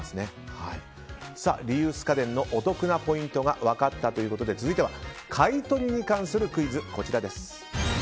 リユース家電のお得なポイントが分かったということで続いては買い取りに関するクイズ。